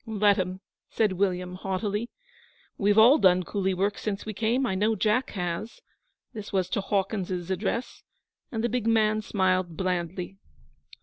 'Let 'em,' said William, haughtily. 'We've all done coolie work since we came. I know Jack has.' This was to Hawkins's address, and the big man smiled blandly.